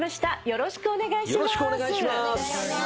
よろしくお願いします。